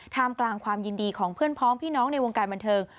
กลางความยินดีของเพื่อนพร้อมพี่น้องในวงการบันเทิง